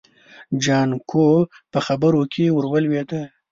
جانکو په خبره کې ور ولوېد.